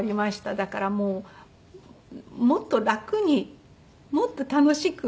だからもっと楽にもっと楽しく。